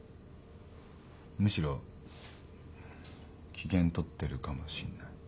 むしろ機嫌取ってるかもしんない。